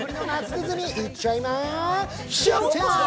ディズニー、行っちゃいまＳＨＯＷＴＩＭＥ！